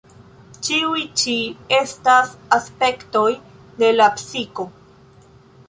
Ĉiuj ĉi estas aspektoj de la psiko.